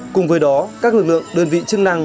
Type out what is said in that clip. cùng với đó các lực lượng đơn vị chức năng